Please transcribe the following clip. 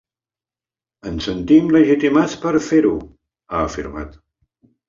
“Ens sentim legitimats per fer-ho”, ha afirmat.